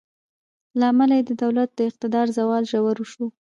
له امله یې د دولت د اقتدار زوال ژور شو.